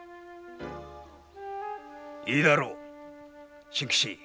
いいだろう真吉